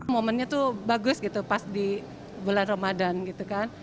momennya tuh bagus gitu pas di bulan ramadan gitu kan